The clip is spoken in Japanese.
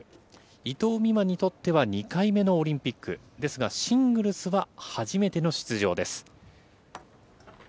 伊藤美誠にとっては２回目のオリンピック、ですが、シングルスは初めての出場です。